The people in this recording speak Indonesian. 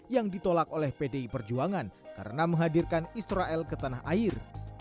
yang ditolak oleh pdi perjuangan karena menghadirkan israel ke tanah air